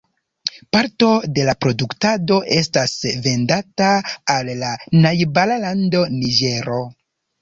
Parto de la produktado estas vendata al la najbara lando Niĝero.